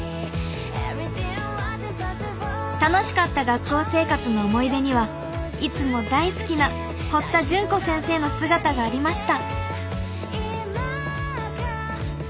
楽しかった学校生活の思い出にはいつも大好きな堀田潤子先生の姿がありました。